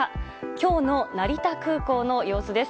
今日の成田空港の様子です。